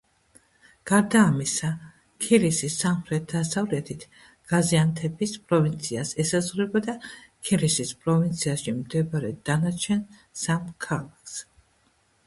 გარდა ამისა, ქილისი სამხრეთ-დასავლეთით გაზიანთეფის პროვინციას ესაზღვრება და ქილისის პროვინციაში მდებარე დანარჩენ სამ ქალაქი.